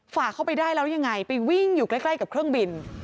เข้าไปได้แล้วยังไงไปวิ่งอยู่ใกล้กับเครื่องบิน